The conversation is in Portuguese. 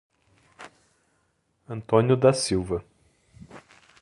Antônio da Silva